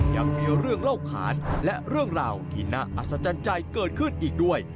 ยังมีเรื่องเล่าขานและเรื่องราวที่น่าอัศจรรย์ใจเกิดขึ้นอีกด้วย